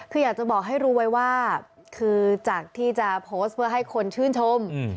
คืออยากจะบอกให้รู้ไว้ว่าคือจากที่จะโพสต์เพื่อให้คนชื่นชม